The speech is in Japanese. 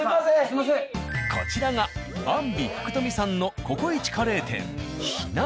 こちらが「ばんび」福富さんのここイチカレー店。